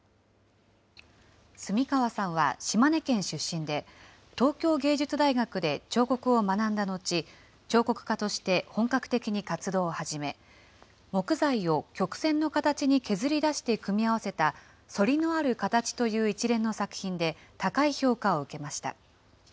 澄川さんは島根県出身で、東京藝術大学で彫刻を学んだのち、彫刻家として本格的に活動をはじめ、木材を曲線の形に削り出して組み合わせた、そりのあるかたちという一連の作品で、高い評価を受けました。